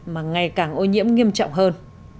mà ngày càng ô nhiễm nghiêm trọng hơn